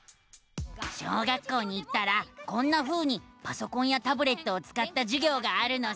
小学校に行ったらこんなふうにパソコンやタブレットをつかったじゅぎょうがあるのさ！